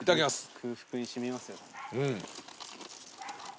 空腹に染みますよ。